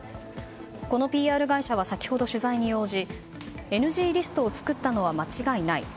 このＰＲ会社は先ほど取材に応じＮＧリストを作ったのは間違いない。